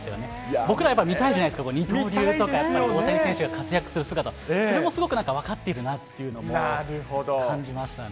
僕ら、やっぱり見たいじゃないですか、二刀流とか、大谷選手が活躍する姿、それも分かっているなと感じましたね。